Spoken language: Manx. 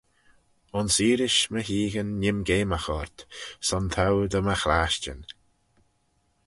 Ayns earish my heaghyn nee'm geamagh ort: son t'ou dy my chlashtyn.